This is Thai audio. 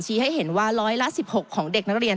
ให้เห็นว่าร้อยละ๑๖ของเด็กนักเรียน